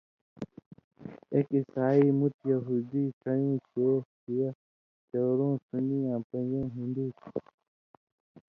اېک عیسائی، مُت یہودی، ڇَیؤں شے (شیعہ)، چورؤں سُنی آں پَن٘ژؤں ہِندُو تُھو